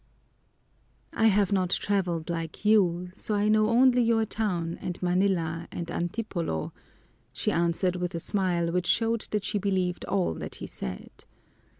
"I have not traveled like you, so I know only your town and Manila and Antipolo," she answered with a smile which showed that she believed all he said.